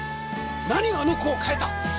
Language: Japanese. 何があの子を変えた！？